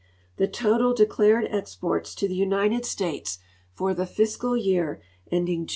The total <h;clared exixndsto the rnited .States for tin; fiscal yearending .Jnn(*.'!